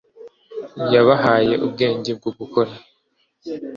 yabahaye ubwenge bwo gukora